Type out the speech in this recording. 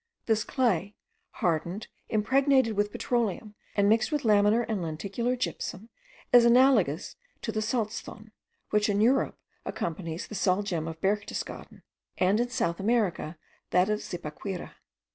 This clay, hardened, impregnated with petroleum, and mixed with lamellar and lenticular gypsum, is analogous to the salzthon, which in Europe accompanies the sal gem of Berchtesgaden, and in South America that of Zipaquira.